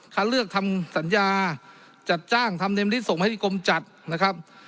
คัดเลือกทำสัญญาจัดจ้างทำเนมฤทธิส่งมาให้ที่กรมจัดนะครับ